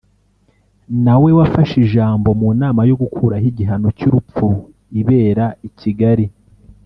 na we wafashe ijambo mu nama yo gukuraho igihano cy'urupfu ibera i Kigali